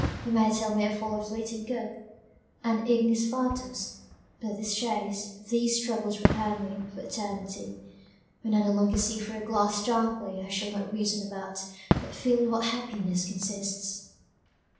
you may tell me I follow a fleeting good, an ignis fatuus; but this chase, these struggles prepare me for eternity when I no longer see through a glass darkly I shall not reason about, but feel in what happiness consists."